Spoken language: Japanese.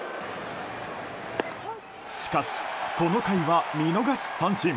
しかし、この回は見逃し三振。